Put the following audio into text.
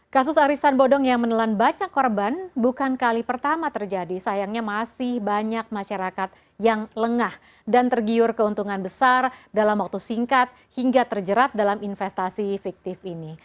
kasus arisan bodong yang menelan banyak korban bukan kali pertama terjadi sayangnya masih banyak masyarakat yang lengah dan tergiur keuntungan besar dalam waktu singkat hingga terjerat dalam investasi fiktif ini